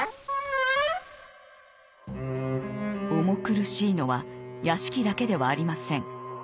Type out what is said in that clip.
重苦しいのは屋敷だけではありません。